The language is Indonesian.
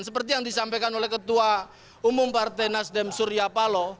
seperti yang disampaikan oleh ketua umum partai nasdem surya paloh